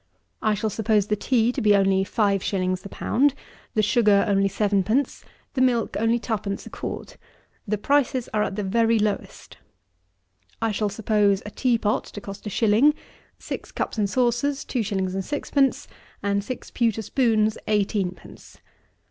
I shall suppose the tea to be only five shillings the pound; the sugar only sevenpence; the milk only twopence a quart. The prices are at the very lowest. I shall suppose a tea pot to cost a shilling, six cups and saucers two shillings and sixpence, and six pewter spoons eighteen pence.